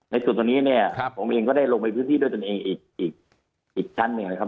ในส่วนตรงนี้เนี่ยผมเองก็ได้ลงไปพื้นที่ด้วยตนเองอีกชั้นหนึ่งนะครับ